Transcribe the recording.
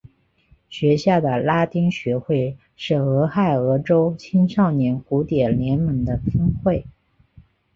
学校的拉丁学会是俄亥俄州青少年古典联盟的分会。